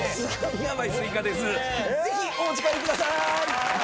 ぜひお持ち帰りくださーい。